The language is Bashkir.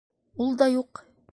Ул да юҡ.